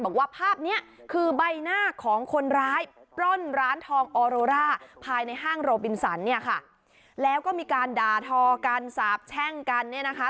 บอกว่าภาพเนี้ยคือใบหน้าของคนร้ายปล้นร้านทองออโรร่าภายในห้างโรบินสันเนี่ยค่ะแล้วก็มีการด่าทอกันสาบแช่งกันเนี่ยนะคะ